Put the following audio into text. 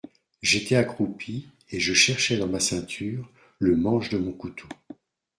J'étais accroupi, et je cherchais dans ma ceinture le manche de mon couteau.